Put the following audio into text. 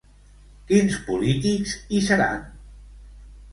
Quins polítics hi seran?